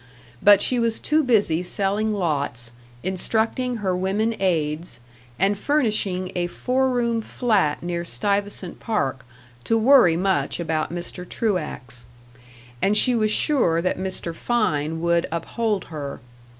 But she was too busy selling lots, instructing her women aides, and furnishing a four room flat near Stuyvesant Park, to worry much about Mr. Truax. And she was sure that Mr. Fein would uphold her.